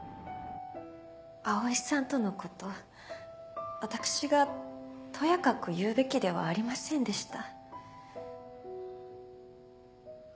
葵さんとのこと私がとやかく言うべきではありませんでした。